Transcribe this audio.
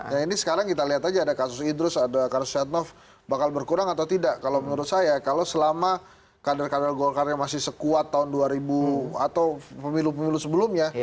ya ini sekarang kita lihat aja ada kasus idrus ada kasus setnov bakal berkurang atau tidak kalau menurut saya kalau selama kader kader golkarnya masih sekuat tahun dua ribu atau pemilu pemilu sebelumnya